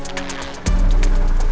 hai terdekamu ingat ya hai